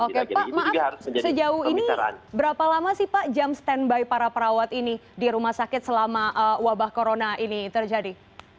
oke pak maaf sejauh ini berapa lama sih pak jam standby para perawat ini di rumah sakit selama wabah corona ini terjadi